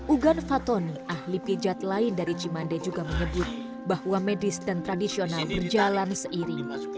ugan fatoni ahli pijat lain dari cimande juga menyebut bahwa medis dan tradisional berjalan seiring